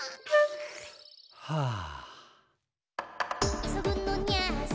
はあ。